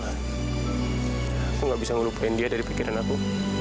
aku gak bisa ngelupain dia dari pikiran aku